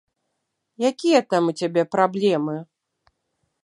Якія там у цябе праблемы?